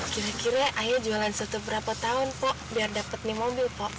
kira kira ayo jualan satu berapa tahun po biar dapet nih mobil po